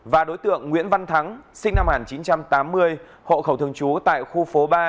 và đối tượng nguyễn văn thắng sinh năm một nghìn chín trăm tám mươi hộ khẩu thường trú tại khu phố ba